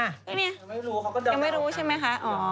ไม่มียังไม่รู้ใช่ไหมฮะ